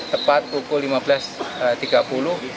tepat pukul lima belas tiga puluh